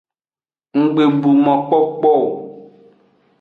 Nggbebu mokpokpo o.